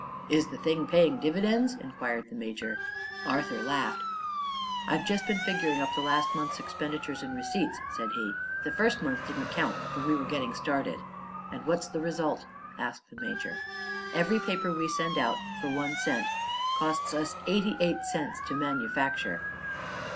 "Is the thing paying dividends?" inquired the major. Arthur laughed. "I've just been figuring up the last month's expenditures and receipts," said he. "The first month didn't count, for we were getting started." "And what's the result?" asked the Major. "Every paper we send out for one cent costs us eighty eight cents to manufacture."